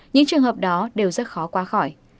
những trường hợp đó đều rất khó qua khỏi